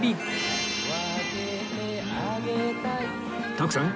徳さん